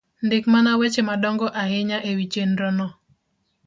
Ndik mana weche madongo ahinya e wi chenro no